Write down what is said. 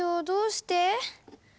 どうして？